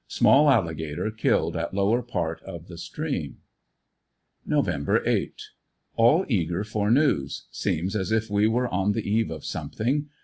Small alligator killed at lower part of the stream. Nov 8 — All eager for news. Seems as if we were on the eve of something.